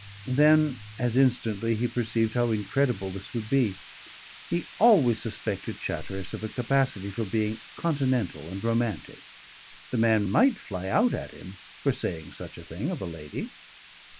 Then as instantly he perceived how incredible this would be. He always suspected Chatteris of a capacity for being continental and romantic. The man might fly out at him for saying such a thing of a lady.